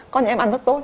có những em ăn rất tốt